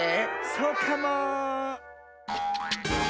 そうかも。